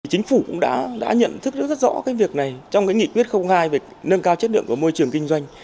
chính phủ cũng đã nhận thức rất rõ việc này trong nghị quyết hai về nâng cao chất lượng của môi trường kinh doanh